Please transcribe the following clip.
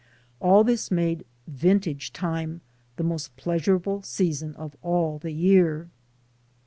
All this made vintage time the most pleasurable season of all the year.